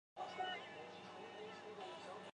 西南铁路公司所有。